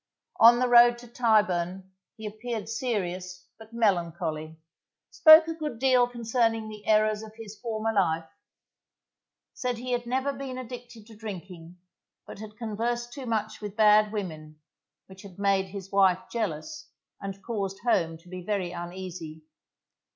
On the road to Tyburn he appeared serious but melancholy, spoke a good deal concerning the errors of his former life, said he had never bees addicted to drinking, but had conversed too much with bad women, which had made his wife jealous, and caused home to be very uneasy.